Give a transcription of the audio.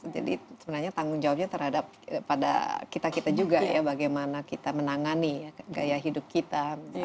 jadi sebenarnya tanggung jawabnya terhadap pada kita kita juga ya bagaimana kita menangani gaya hidup kita